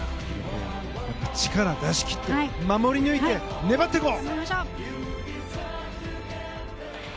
力出し切って守り抜いて粘っていこう！